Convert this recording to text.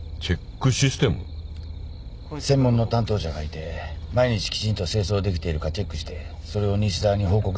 専門の担当者がいて毎日きちんと清掃できているかチェックしてそれを西沢に報告してるんです。